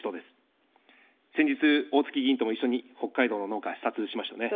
先日、おおつき議員とも一緒に北海道の農家、視察しましたね。